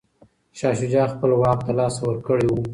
شاه شجاع خپل واک له لاسه ورکړی و.